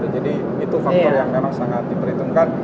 jadi itu faktor yang memang sangat diperhitungkan